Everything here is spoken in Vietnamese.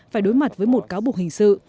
phải đối mặt với một cáo buộc hình sự